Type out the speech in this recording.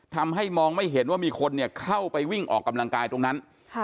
ทำให้มองไม่เห็นว่ามีคนเนี่ยเข้าไปวิ่งออกกำลังกายตรงนั้น